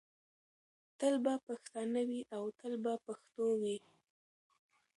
تل به پښتانه وي او تل به پښتو وي.